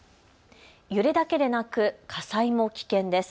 揺れだけでなく火災も危険です。